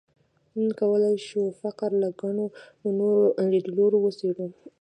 نن کولای شو فقر له ګڼو نورو لیدلوریو وڅېړو.